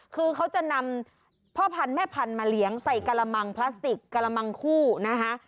คือเขาจะนำพ่อพันธุ์แม่พันธุ์มาเลี้ยงใส่กระมังพลาสติกกระมังคู่นะคะ